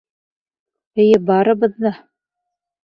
Эйе, барыбыҙ ҙа.